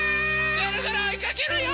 ぐるぐるおいかけるよ！